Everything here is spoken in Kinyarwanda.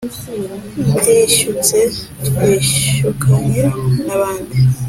ndishyutse twishyukanye n'abandi